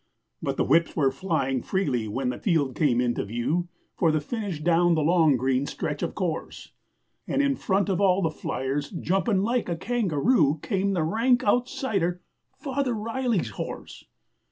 But the whips were flying freely when the field came into view, For the finish down the long green stretch of course, And in front of all the flyers jumpin' like a kangaroo, Came the rank outsider Father Riley's horse!